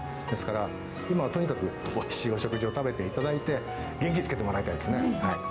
ですから、今はとにかくおいしいお食事を食べていただいて、元気つけてもらいたいですね。